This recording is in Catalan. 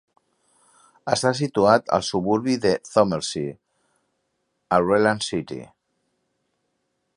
Està situat al suburbi de Thorneside a Redland City.